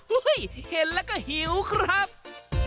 เห็นแล้วก็หิวครับ